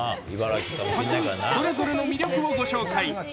先にそれぞれの魅力をご紹介。